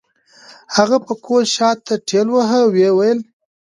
هغه پکول شاته ټېلوهه وويل.